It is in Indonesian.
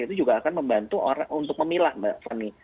itu juga akan membantu orang untuk memilah mbak fanny